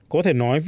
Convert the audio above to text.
có thể nói